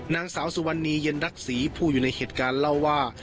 นางสาวสุวรรณีเย็นรักษีผู้อยู่ในเหตุการณ์เล่าว่า